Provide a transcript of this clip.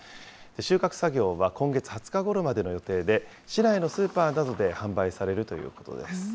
収穫作業は今月２０日ごろまでの予定で、市内のスーパーなどで販売されるということです。